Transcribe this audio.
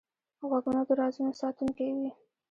غوږونه د رازونو ساتونکی وي